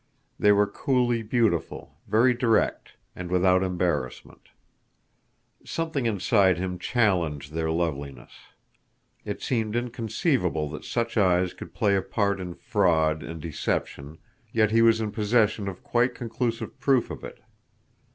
They were coolly beautiful, very direct, and without embarrassment. Something inside him challenged their loveliness. It seemed inconceivable that such eyes could play a part in fraud and deception, yet he was in possession of quite conclusive proof of it.